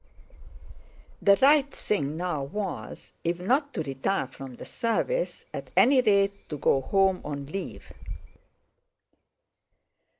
The right thing now was, if not to retire from the service, at any rate to go home on leave.